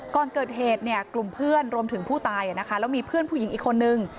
ก่อนเกิดเหตุเนี่ยกลุ่มเพื่อนรวมถึงผู้ตายแล้วมีเพื่อนผู้หญิงอีกคนนึง